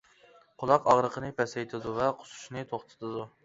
قۇلاق ئاغرىقىنى پەسەيتىدۇ ۋە قۇسۇشنى توختىتىدۇ.